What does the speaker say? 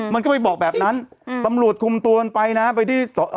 มันก็ไปบอกแบบนั้นอืมตำรวจคุมตัวมันไปนะไปที่เอ่อ